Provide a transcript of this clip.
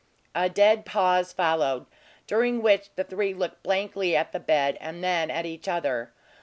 A dead pause followed, during which the three looked blankly at the bed, and then at each other.